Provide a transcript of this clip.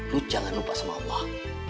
rut jangan lupa sama allah